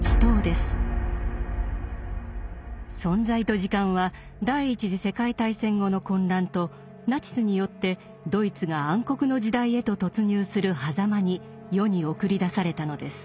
「存在と時間」は第一次世界大戦後の混乱とナチスによってドイツが暗黒の時代へと突入するはざまに世に送り出されたのです。